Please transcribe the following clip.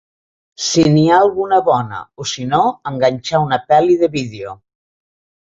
Si n'hi ha alguna bona, o sinó enganxar una peli de vídeo.